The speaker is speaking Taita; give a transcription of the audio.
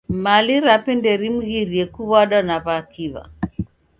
Mali rape nderimghirie kuw'ada na w'akiw'a.